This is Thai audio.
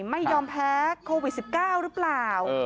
ไม่ยอมแพ้โควิด๑๙หรือเปล่า